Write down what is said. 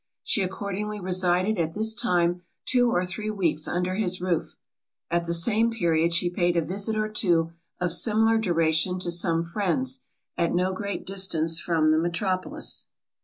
She accordingly resided at this time two or three weeks under his roof. At the same period she paid a visit or two of similar duration to some friends, at no great distance from the metropolis.